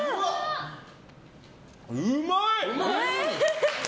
うまい！